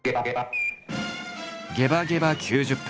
「ゲバゲバ９０分！」。